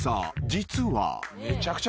［実は］